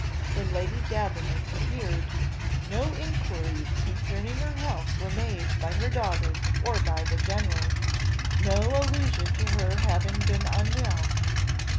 When Lady Davenant appeared, no inquiries concerning her health were made by her daughter or by the general no allusion to her having been unwell.